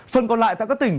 phần còn lại tại các tỉnh